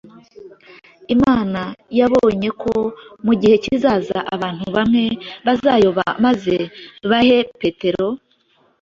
Imana yanabonye ko mu gihe kizaza abantu bamwe bazayoba maze bahe Petero,